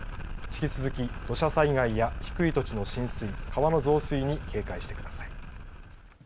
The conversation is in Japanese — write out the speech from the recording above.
引き続き、土砂災害や低い土地の浸水川の増水に警戒してください。